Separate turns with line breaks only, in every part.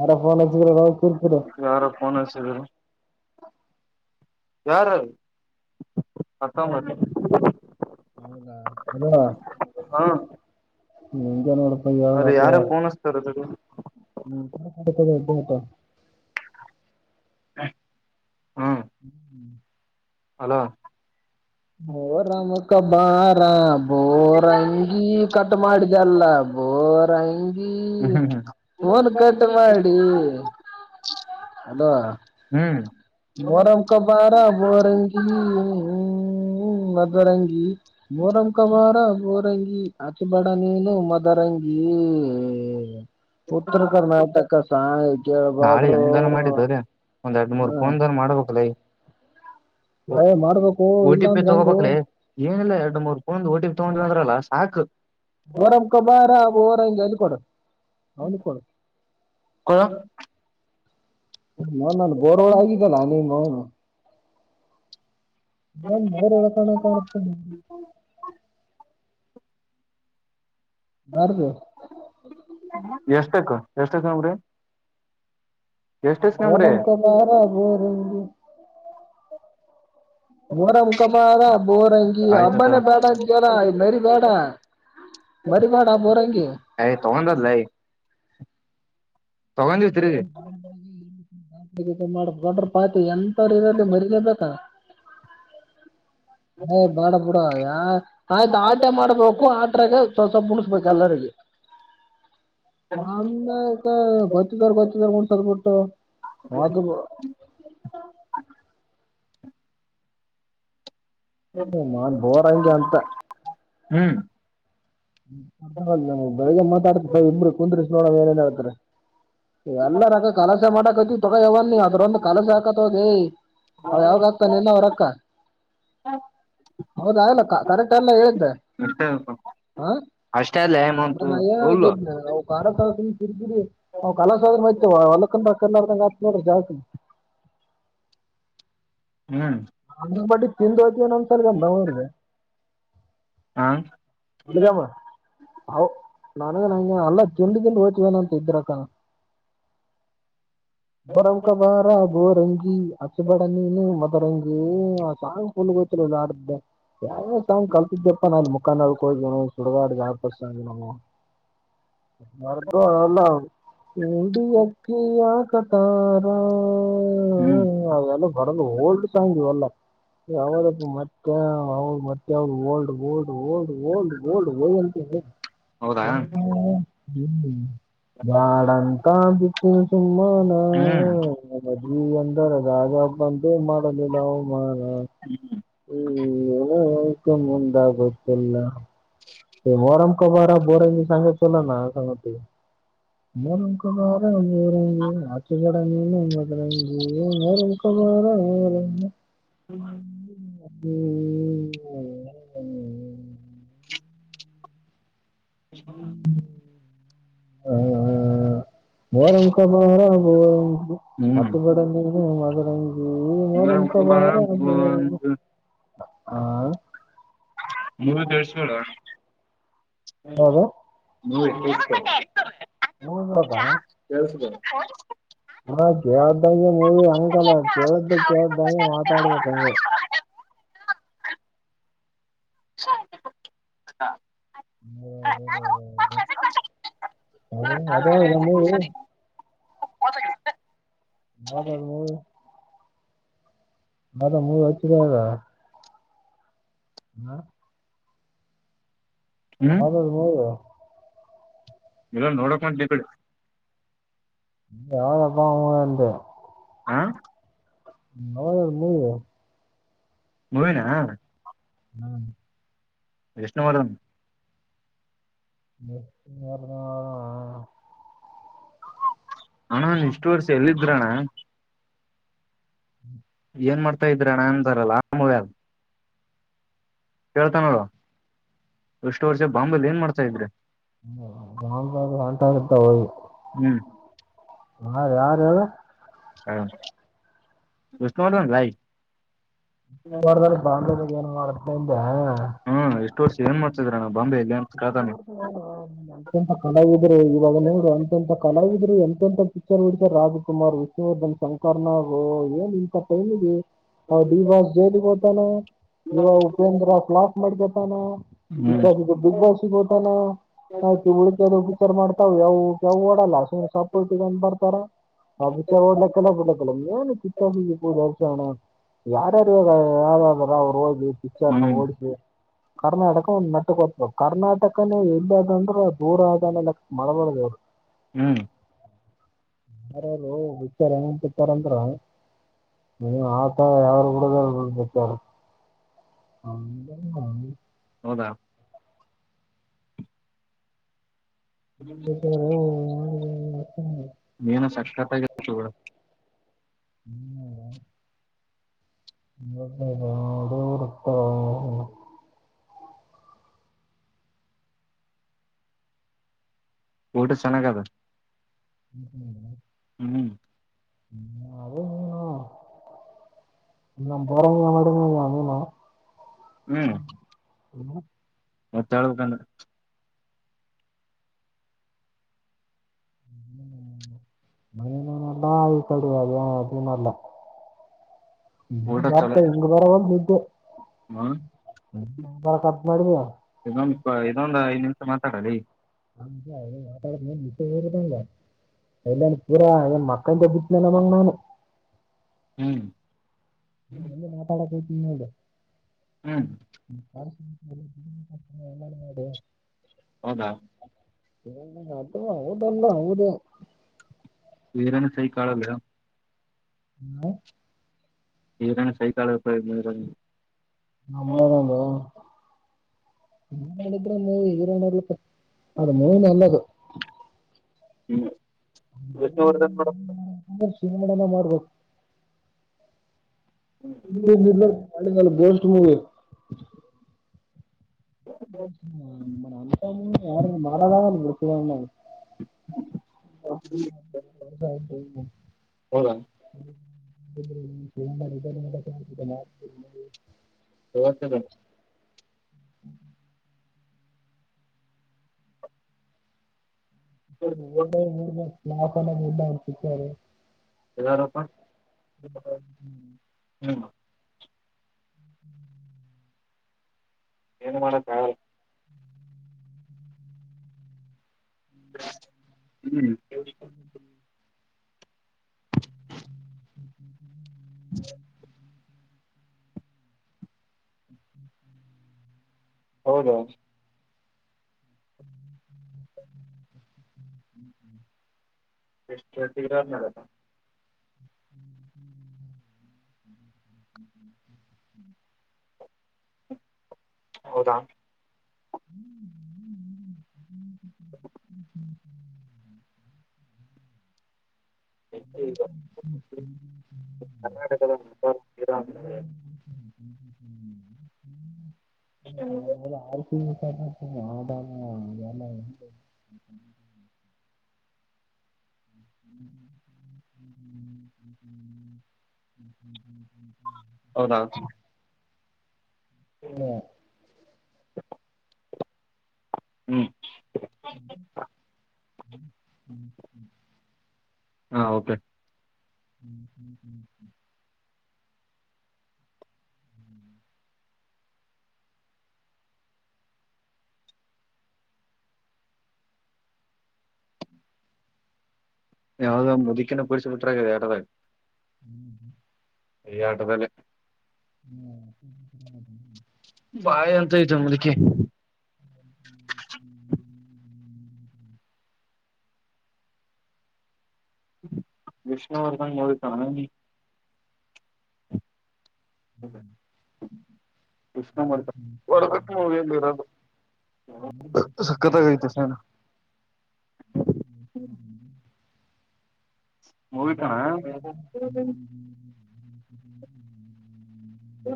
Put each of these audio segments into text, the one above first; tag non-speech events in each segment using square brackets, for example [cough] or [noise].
ಯಾರೊ ಫೋನ್ ಹಚ್ಚಿದರೆ ನೋಡು
ಯಾರ ಪೋನ್ ಹಚ್ಚಿದರು ಯಾರು?
ಹೌದಾ [unintelligible]
ಹಾ ಯಾರ ಫೋನ್ ಹಚ್ತಾರದು
[unintelligible] [unintelligible]
ಹಾಂ
ಹ್ಮ್
ಹಲೋ
ಬೋರ ಮಕ್ಕ ಬಾರ ಬೋರಂಗಿ ಕಟ್ ಮಾಡ್ ಜಲ್ಲ ಬೋರಂಗ್ ಹ್ಮ್ ಫೋನ್ ಕಟ್ ಮಾಡಿ, ಹಲೋ
ಹ್ಮ್
ಮೊರಂ ಕ ಬಾರ ಬೋರಂಗಿ ಹ್ಮ್ ಹ್ಮ್ ಹ್ಮ್ ಮದರಂಗಿ ಮೋರಂ ಕಬಾರ ಮೋರಂಗಿ ಅಚ ಬಡ ನೀನು ಮದರಂಗಿ ಉತ್ತರ ಕರ್ನಾಟಕ ಸಾಂಗ್
ನಾಳೆ
ಕೇಳ್ಬಾಡರು ಹ್ಮ
ಮಾಡ್ಬೇಕುಲ
ಹೇ ಮಾಡ್ಬೇಕು
ಓ
ಇಲ್ಲ
ಟಿ ಪಿ
ಅಂದ ಹಂಗು
ತಗೋಬೇಕಕ್ಲಿ ಏನಿಲ್ಲ ಎರಡು ಮೂರ್ ಪನಂದ್ ಓಟಿ ಇ ತಗೊಂಡಲ್ಲ ಅಂದ್ರಲ್ಲ ಸಾಕು
ಮೊರಂ ಕ ಬಾರ ಬೋರಂಗಿ ಅಲ್ಲಿ ಕೊಡ ಅವ ಕೊಡ ಹ ನಾನು ಬೋರ್ಳ ಆಗಿದ್ದಲ್ಲಾ ನಿಮ್ಮ್ ನಾ ಮೂರ ಎಳಸಣ ಕಾಣಿಸ್ತೇನೆ ಬರ್ದುು [inaudible]
ಎಷ್ಟಕ್ಕ ಎಷ್ಟಕ್ಕ ಅಂದ್ರ
ಮೊರಂ ಕಬ್ಬಾರ ಬೋರಂಗಿ ಮೊರಂ ಕಬಾರ ಬೋರಂಗಿ
ಆಯ್ತತ
ಅಬ್ಬಾನ ಬೇಡಾರ ಮರಿ ಎಲ್ಲೋಡ ಮರಿಬೇಡ ಬೋರಂಗಿ
ಅಯ್ ತಗೊಂಡದ್ಲಯ ತಗೊಂಡಿ ತಿರಿಗೆ
ಮಾಡ ದೊಡ್ರ ಪಾತಿ ಎಂತವರು ಇದಲ್ಲಿ ಮರಿಲೇಬೇಕಾ ಬಾಡ ಬುಡ ಯಾರ ಆಯ್ತು ಆಟ ಮಾಡ್ಬೇಕು ಆಟ್ರಾಗ ಸ್ವಲ್ಸಪ ಮುಣಸ್ಬೇಕ ಎಲ್ಲರಿಗೆ ನಂದ ಗೊತ್ತಿದಾರ ಗೊತ್ತಿದಾರ ಮುಡ್ಸರ್ ಬಿಟ್ಟು ಮದ ಹ ಮಾಡ ಬೋರ್ಂಗೆ ಅಂತ
ಹ್ಮ್
ಬೆಳಗ್ಗೆ ಮಾತಾಡ್ತ ಇಮ್ರರು ಕುಂದ್ರಿಸ ನೋಡ ಏನನ್ ಹೇಳ್ತಾರೆ ಎಲ್ಲ ನಗ ಕಲಸ ಮಾಡಕತಿ ತಗವನ್ ಅದ್ರೊಂದ ಕಲಸ ಹಾಕತ್ಗಿ ಅವ ಯಾವಾಗ ಆಗ್ತಾನೆಲ್ಲ ಅವ್ರು ರೊಕ್ಕ ಹೌದಾಯಲ್ಲ ಕರೆಕ್ಟ್ ಎಲ್ಲ ಹ್ದೆ
ಎಷ್ಟೇ
ಹಾ [inaudible]
ತೋಲ್
ಕ ಕರಿದಿರಿ ಅವ ಕಲ ಹೊಲಕಂದ ಕರ್ಡದಂಗತ್ ನೋಡ್ರ ಜಾಸ್ತಿ
ಹ್ಮ್
ಅಣ ಬಟ್ಟಿಗೆ ತಿದ್ಯ್ತವನೊಂದ್ಸರ್ಗಮ್ಮ [inaudible] ಅವಊ್ರಗೆ
ಹಾ
ಮಲಿಗಮ್ಮ [inaudible] ಮೊರಂ ಕಬಾರ ಬೋರಂಗಿ ಅಸಿ ಬಡ ನೀನು ಮದರಂಗಿ ಹ್ಮ್ ಸಾಂಗ್ ಫುಲ್ ಗೊತ್ತಿಲ್ಲ ಯಾವ ತಂಗ್ ಕಲ್ತಿದ್ಯಪ್ಪ ನ ಅ ಮುಖಾಕ ಹೋಗ್ ನ ಸುಡಗಾಡ್ ವ್ಯಾಪಸ್ ನ ಮರ್ಗ ಅಲ್ಲ ಕುಡಿಯಕ್ಕಿ ಆಕತಾರ
ಹ್ಮ್
ಅವೆಲ್ಲ ಬರದು ಓಲ್ಡ್ [inaudible] ಅಲ್ಲ ಯಾವರಪ್ಪ ಮತ್ತೆ ಅವರು ಮತ್ತೆ ಅವರು old old old old old ಓ
ಹೌದಾ ಹ್ಮ್
ಹ್ಮ ಬ್ಯಾಡ ಅಂತ ಬುಟ್ಟೀನಿ ಸುಮ್ಮನೆ
ಹ್ಮ್
ನಿನ್ನ ಮದುವೆ ಅಂದರದಾಗ ಬಂದು ಮಾಡಲ್ಲ ಅವಮಾನ ಹ್ಮ್ ಆಯ್ತು ಮುಂದ ಗೊತ್ತಿಲ್ಲ ಮೊರಂ ಕಬ್ಬಾರ ಬೋರಂಗಿ ಸಾಂಗ್ ಹಾಕಿ ಆತರದ್ದು [unintelligible] [inaudible]
[inaudible]
[unintelligible] ಹಾ ಆ ಮರಂಕ ಬಾರ ಹತಿ ಬಡ ನೀ ಮದರಂಗ ಮೊರಂ ಕ ಬಾರ [unintelligible]
ಮೂಗ ತಿರ್ಸ್ಬೇಡ.
ಹೌದ
ಮೂವಿ ಕೇಳಿಸ್ಕೊ
[unintelligible]
ಕೆಳಸಗೋ.
ಹಾ ಕೇಳ್ದಂಗೆ ನೀವು ಅಂಕಲ ಕೇಳ್ದ ಕೇಳ್ದಂ ಮಾತಾಡ್ಬೇಕಂಗೆ. [unintelligible] ಹಲೋ. ಮರ ಮೂರು ಹೊತ್ತುದದ. ಹ್.
ಹ್ಮ್
[unintelligible]
ಇಲ್ಲಾ ನೋಡ [unintelligible]
ಯಾವಾಗ ಬಾ ಅಂದೇ.
ಹಾ.
[unintelligible]
ಮೂವಿನ
ಹ್ಮ್.
ಎಷ್ಣು [unintelligible]
[inaudible]
ನನ್ ಇಷ್ಟು ವರ್ಷ ಎಲ್ಲಿದ್ರಣ್ಣ.
ಹ್ಮ್.
ಏನ್ ಮಾಡ್ತಾ ಇದೀರ ನಾ ಅನ್ಂತರಲ್ಲ. ಕೇಳ್ತಾನೋಳ ಎಷ್ಟು ವರ್ಷ ಬಾಂಬಲ್ ಏನ್ ಮಾಡ್ತಾ ಇದ್ರಿ.
[unintelligible]
ಹ್ಮ್.
ಹಾ ಯಾರು.
ಹ [unintelligible]
ಡದಲ್ಲಿ ಬಾಂಭೋ ಬಜಾರ್ [unintelligible]
ಹ್ಮ ಇಷ್ಟವರ್ಷ ಏನ್ ಮಾಡ್ತಿದೀರ ಅಣ್ಣಾ ಬಾಂಬೆ ಅಲ್ಲಿ.
ಅಂತಂತ ಕಲಾವಿದ್ರಿ ಇವಾಗ ನೋಡ ಅಂತಂತ ಕಲಾವಿದ್ರರು ಎಂತಂತ. ಪಿಕ್ಚರ್ ಬಿಡ್ತಾರೆ ರಾಜಕುಮಾರ್ ವಿಷ್ಣುವರ್ಧನ್ ಶಂಕರ್ನಾಗ್ ಏನ್ ಇಂತ ಟೈಮಗಿ.
ಹೌದು.
ಡಿ ಬಾಸ್ ಜೈಲಗೆ ಹೋಗ್ತಾನ ಇವ ಉಪೇಂದ್ರ [unintelligible] ಮಾಡ್ಕತಾನ ಇ
ಹ್ಮ್
ಬಿಗ್ ಬಾಸಿಗ ಹೋಗ್ತಾನ. ಆಯ್ತು ಉಳಿತ ಬಿಚಾರ ಮಾಡ್ತಾವು ಯಾವು ಕೆವು ಓಡಲ್ಲ ಸುಮ್ ಸಪ್ಪಟ್ಟಗೊಂಡ್ ಬರ್ತಾರ. [unintelligible] ಯಾರ್ಯಾರು ಇಗ ಯಾರಾದಾರ ಅವ್ರು ಹಓದಿ ಪಿಕ್ಚರ್ನ
ಹ್ಮ್
ಓಡಿಸಿ. ಕರ್ನಾಟಕ ಒಂದ್ ನೆಟ್ಟ ಕೊಟ್ಬೇಕ ಕರ್ನಾಟಕನೇ ಎಲ್ಲಿದಂದ್ರೆ ದೂರ ಆದ [unintelligible] [inaudible]
ಹ್ಮ್.
ಯಾರ ಯಾರರು [unintelligible] ಏನ ಬಿತಾರಂದ್ರ. ಹ್ಮ ಆತ ಯಾರ. [unintelligible] [inaudible]
ಹೌದಾ
[unintelligible]
ನೀನು ಸಕ್ಕತಾಗೆ [unintelligible] ಬಿಡು.
[inaudible] [unintelligible]
ಊಟ ಚೆನ್ನಾಗ ಆದ.
[unintelligible]
ಹ್ಮ್
[unintelligible]
ಹ್ಮ್
ಹ್ಮ
ಮತ್ತ ಹೇಳ್ಬೇಕಂದ್ರ.
ಮನ ಇಲ್ಲ ಈ ಕಡಿ ಅದ ಅದುನು ಇಲ್ಲ. ಹ ಬಾರ್ತೆೆ ಇಂಗ ಬರವಲ್ದು ನಿದ್ದಿ.
ಹಾ.
ಕಟ್ ಮಾಡಿಧೇನು.
ಇನ್ನೊಂದು ಇದೊಂದ್ ಐದ್ ನಿಮಿಷ ಮಾತಾಡ ಲೇ.
[inaudible] ಇಲ್ಲನ್ ಪೂರಾ ಏನ್ ಮಕ್ಕಂದೇ ಮಂಗ್ ನಾನು.
ಹ್ಮ್
ಮಾತಾಡಕತಿ ನೋಡು.
ಹ್ಮ್
[unintelligible]
ಹೌದಾ.
ತಾ ಹ್ಹ ಹೌದಲ್ಲ.
ವೀರನು ಸಹ ಕಳಲ್ಲ ಬ್ರೋ.
ಹ್ಮ
[unintelligible]
ನಮ್ಮ [unintelligible] ನೀ ಮಾಡಿದ್ರೆ ಮೂವ ಹೆರೋಯಿನ್ ಇರ್ಲಿಲ್ಲ ಕೆ ಅದು ಮೂವೀ ನೆ ನಲ್ಲದು.
ಹ್ಮ್ ವಿಷ್ಣುವರ್ಧನ್ [unintelligible]
[unintelligible] ಮಾಡ್ಬೇಕು [unintelligible] ಬೋಸ್ಟ್ ಮೂವೀ ಅಂತ ಮೂವಿ ಯಾರು ಮಾಡೋದಾಗ [unintelligible]
ನೋಡ
[unintelligible]
[unintelligible]
[unintelligible]
ಎಲ್ಲನೊಪ್ಪ [unintelligible]
[unintelligible]
ಏನ್ ಮಾಡಕ್ ಆಗಲ್ಲ. [inaudible] ಹ್ಮ್
[inaudible]
[inaudible]
[unintelligible]
ಹೌದ
[unintelligible]
ಎಷ್ಟು ತೀರದ ಮೇಲೆ
[unintelligible]
ಹೌದಾ
[unintelligible] [unintelligible]
[unintelligible] ಕರ್ನಾಟಕ
[unintelligible] ಅಲೆ ಆಕ ಆದಾಮಲ್ಲ [inaudible] [unintelligible] [unintelligible]
ಹೌದ
ಹ್ಮ
[inaudible] ಹ್ಮ್
ಹ್ಮ ಹ್ಮ ಹ್ಮ್ ಹ [inaudible]
ಹಾ ಓಕೆ
[unintelligible]
ಯಾವವುದ ಒ ಮುದುಕಿನ ಕುೂರಿಸಸಬ ಬಿಟ್ರಾಗಗಿದೆ ಆಟೋ ದಾಗೆ
[unintelligible]
ಈ ಆಟದಲ್ಲಿ
[unintelligible]
ಬಾಯ್ ಅಂತ ಇದೇ ಮುದುಕಿ
ಹ್ಮ [inaudible]
ವಿಷ್ಣುವರ್ಧನ್ ಮೂವಿ ಸಾಂಗ್
ಹ್ಮ್
ಇಷ್ಟ ಮಾಡ್ತ ಹೊರ್ಗ ಏಲ್ಲಿರೋದು [unintelligible] ಸಕ್ಕತಗಯಿತ ಸರ್
ಹ್ಮ ಹ್ಮ ಹ್ಮ್ ಹ್ಮ [unintelligible]
ಹೋಗಿದ್ದಣ್ಣ
ಹ [unintelligible]
ಹ್ಮ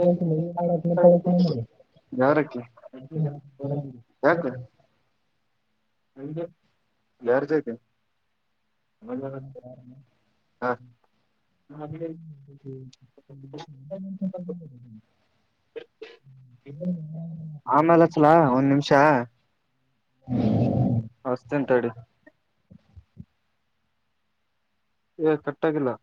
ತು ಮಾಡ ತತ
ಯಾರಕ್ಕಿ
[unintelligible] ಅತ [unintelligible]
ಅ [unintelligible] ಯಾರ್ ಜಾಗ
ಹ್ಮ ಸ ಹ್ಮ [unintelligible] ಹ್ಮ ಹ್ಮ [unintelligible]
ಹೌ [unintelligible]
ಹ್ಮ್, ಹ್ಮ್, ಹ್ಮ್.
ಆಮೇಲೆ ಅಚಲಾ ಒಂದ್ ನಿಮಿಷ ಹಷ್ಟ ಎಂತಡಿ ಏ ಕಟ್ಟಾಗಿಲ್ಲ